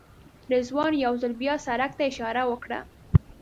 رضوان یو ځل بیا سړک ته اشاره وکړه.